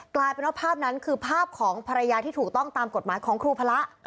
กลายเป็นว่าภาพนั้นคือภาพของภรรยาที่ถูกต้องตามกฎหมายของครูพระ